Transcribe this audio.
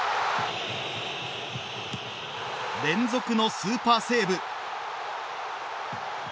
連続のスーパーセーブ！